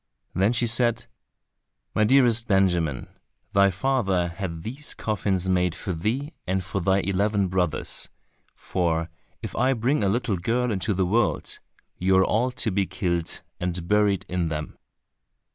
Then she said, "my dearest Benjamin, thy father has had these coffins made for thee and for thy eleven brothers, for if I bring a little girl into the world, you are all to be killed and buried in them."